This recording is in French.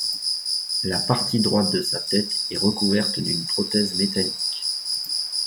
La partie droite de sa tête est recouverte d'une prothèse métallique.